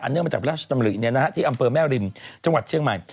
อันเนื่องมาจากพระราชนำริเนี่ยนะฮะที่อำเภอแม่รินจังหวัดเชียงใหม่